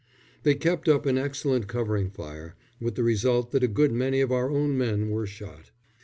They kept up an excellent covering fire, with the result that a good many of our own men were shot.